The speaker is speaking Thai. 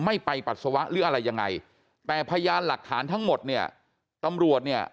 ไม่ไปปัสสาวะหรืออะไรยังไงแต่พยานหลักฐานทั้งหมดเนี่ยตำรวจเนี่ย